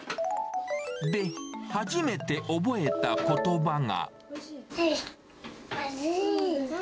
で、初めて覚えたことばが。